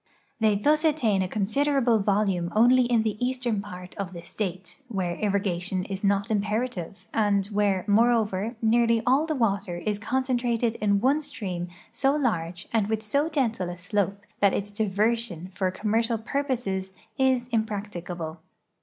They thus attain a considerable vol ume only in the eastern part of the State, where irrigation is not imjierative, and where, moreover, nearly all the water is concen trated in one stream so large and with so gentle a slope that its diversion for commercial purposes is impracticable.